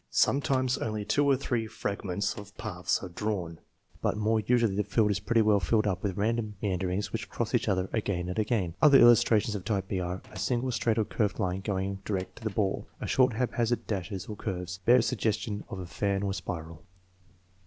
Sometimes only two or three fragments of paths are drawn, but more usually the field is pretty well filled up with random meanderings which cross each other again and again. Other illustrations of type b are: A single straight or curved line going direct to the ball, short haphazard dashes or curves, bare suggestion of a fan or spiral.